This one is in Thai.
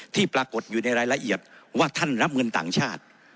ที่ปรากฏอยู่ในรายละเอียดว่าท่านรับเงินต่างชาติ